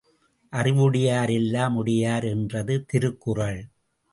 அறிவுடையார் எல்லாம் உடையார் என்றது திருக்குறள்.